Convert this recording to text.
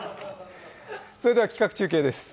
それでは企画中継です。